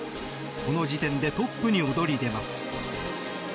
この時点でトップに躍り出ます。